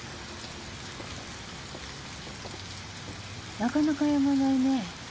なかなかやまないね。